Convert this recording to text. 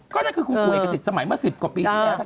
ก็นั่นคือคุณครูเอกสิทธิ์สมัยเมื่อ๑๐กว่าปีที่แล้ว